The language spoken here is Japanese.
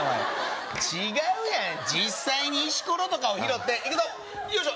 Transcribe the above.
違うやん実際に石ころとかを拾っていくぞよいしょ